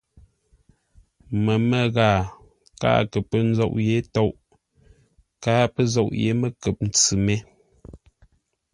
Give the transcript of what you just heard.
Məmə́ ghaa káa kə pə́ nzôʼ yé tôʼ, káa pə́ zôʼ yé məkəp-ntsʉ mé.